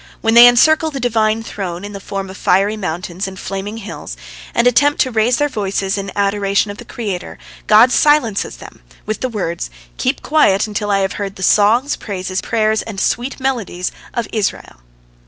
When they encircle the Divine Throne in the form of fiery mountains and flaming hills, and attempt to raise their voices in adoration of the Creator, God silences them with the words, "Keep quiet until I have heard the songs, praises, prayers, and sweet melodies of Israel."